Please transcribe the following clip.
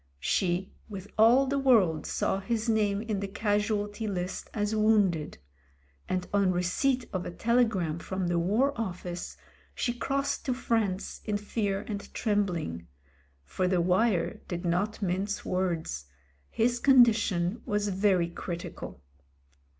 She, with all the world, saw his name in the Casualty List as wounded ; and on receipt of a telegram from the War Office, she crossed to France in fear and trembling — for the wire did not mince words ; his con dition was very critical.